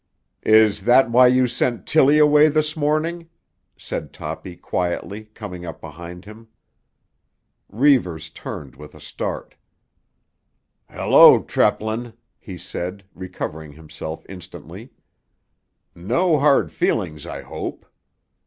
"Is that why you sent Tilly away this morning?" said Toppy quietly, coming up behind him. Reivers turned with a start. "Hello, Treplin!" he said, recovering himself instantly. "No hard feelings, I hope."